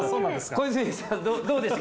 小泉さんどうですか？